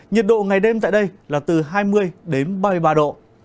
nhiệt độ ngày đêm tại đây là từ hai mươi đến ba mươi ba độ